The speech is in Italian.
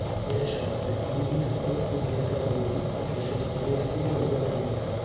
Di recente Livingston è diventata un importante centro turistico del Guatemala.